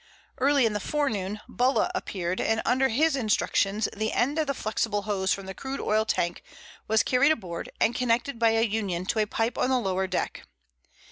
Early in the forenoon Bulla appeared, and under his instructions the end of the flexible hose from the crude oil tank was carried aboard and connected by a union to a pipe on the lower deck.